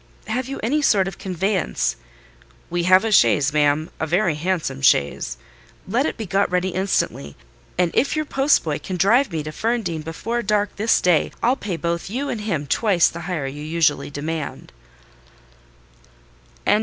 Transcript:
"Have you any sort of conveyance?" "We have a chaise, ma'am, a very handsome chaise." "Let it be got ready instantly; and if your post boy can drive me to Ferndean before dark this day, I'll pay both you and him twice the hire you usually demand."